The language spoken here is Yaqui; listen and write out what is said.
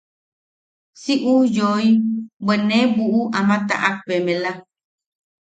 Si ujyoi, bwe ne buʼu ama taʼak bemela.